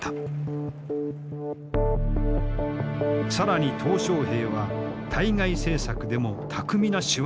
更に小平は対外政策でも巧みな手腕を発揮する。